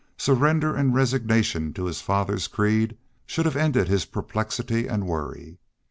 Surrender and resignation to his father's creed should have ended his perplexity and worry.